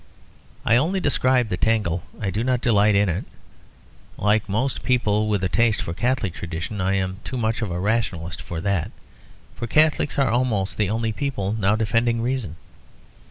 I only describe the tangle; I do not delight in it. Like most people with a taste for Catholic tradition, I am too much of a rationalist for that; for Catholics are almost the only people now defending reason.